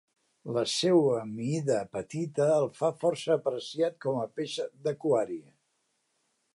La seua mida petita el fa força apreciat com a peix d'aquari.